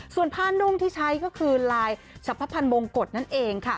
ส่วนผ้านุ่งที่ใช้ก็คือลายสรรพพันธ์มงกฎนั่นเองค่ะ